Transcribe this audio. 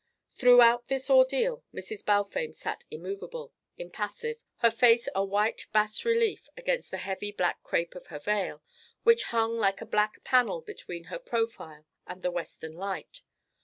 Throughout this ordeal Mrs. Balfame sat immovable, impassive, her face a white bas relief against the heavy black crêpe of her veil, which hung like a black panel between her profile and the western light.